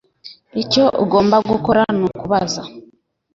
Icyo ugomba gukora nukubaza